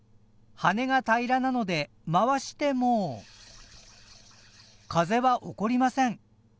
羽根が平らなので回しても風は起こりません。